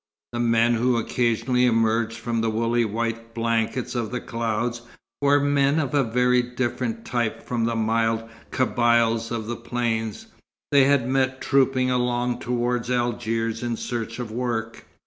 The men who occasionally emerged from the woolly white blankets of the clouds, were men of a very different type from the mild Kabyles of the plains they had met trooping along towards Algiers in search of work.